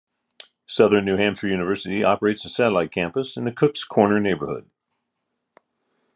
Southern New Hampshire University operates a satellite campus in the Cook's Corner neighborhood.